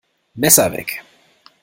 Messer weg!